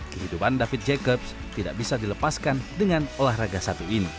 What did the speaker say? kehidupan david jacobs tidak bisa dilepaskan dengan olahraga satu ini